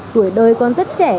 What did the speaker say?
tuổi đời còn rất trẻ